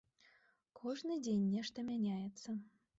Кожны дзень нешта мяняецца.